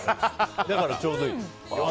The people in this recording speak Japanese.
だから、ちょうどいい。